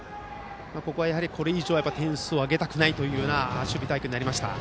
ここは、これ以上点数をあげたくないというような守備隊形になりましたね。